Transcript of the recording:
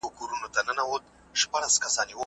دا د ژوند راز دی.